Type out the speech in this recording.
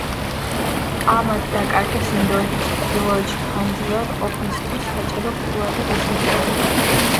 ამათ დაკარგეს ინდოეთის ჩრდილოეთში ხანგრძლივად ყოფნისთვის საჭირო ფულადი რესურსები.